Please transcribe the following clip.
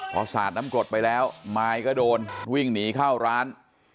พอสาดน้ำกรดไปแล้วมายก็โดนวิ่งหนีเข้าร้าน